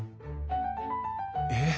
えっ？